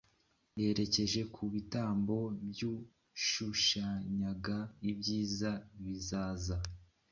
Yerekeje ku bitambo byashushanyaga ibyiza bizaza